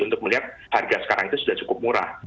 untuk melihat harga sekarang itu sudah cukup murah